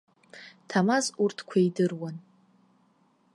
Ҭамаз урҭқәа идыруан.